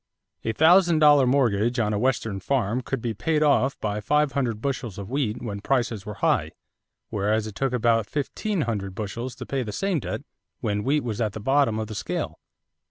A thousand dollar mortgage on a Western farm could be paid off by five hundred bushels of wheat when prices were high; whereas it took about fifteen hundred bushels to pay the same debt when wheat was at the bottom of the scale.